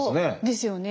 ですよね。